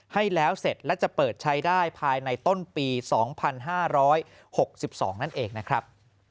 ให้แล้วเสร็จและจะเปิดใช้ได้ภายในต้นปี๒๕๖๒นั่นเองนะครับ